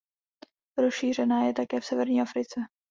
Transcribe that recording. Rozšířená je také v severní Africe.